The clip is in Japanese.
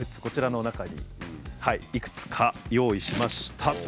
こちらの中にいくつか用意しました。